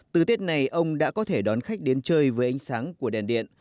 từ tết này ông đã có thể đón khách đến chơi với ánh sáng của đèn điện